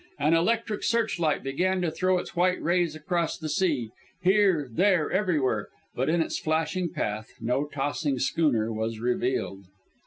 An electric search light began to throw its white rays across the sea, here, there, everywhere; but in its flashing path no tossing schooner was revealed.